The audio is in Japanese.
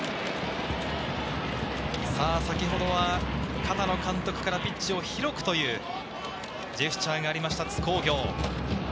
先ほどは片野監督からピッチを広くというジェスチャーがありました津工業。